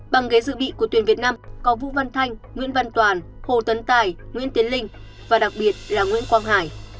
bằng ghế dự bị của tuyển việt nam có vũ văn thanh nguyễn văn toàn hồ tấn tài nguyễn tiến linh và đặc biệt là nguyễn quang hải